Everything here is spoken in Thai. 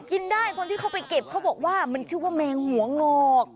กินได้คนที่เขาไปเก็บเขาบอกว่ามันชื่อว่าแมงหัวงอก